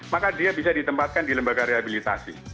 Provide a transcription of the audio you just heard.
maka dia bisa ditempatkan di lembaga rehabilitasi